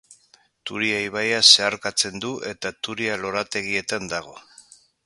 Turia ibaia zeharkatzen du eta Turia lorategietan dago.